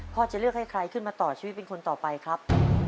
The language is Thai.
จะเลือกให้ใครขึ้นมาต่อชีวิตเป็นคนต่อไปครับ